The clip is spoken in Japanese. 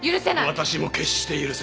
私も決して許せません！